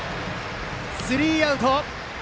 スリーアウト。